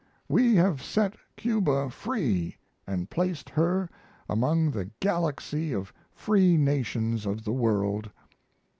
We have set Cuba free and placed her among the galaxy of free nations of the world.